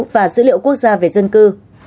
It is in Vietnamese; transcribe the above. và dữ liệu quốc gia về dân cư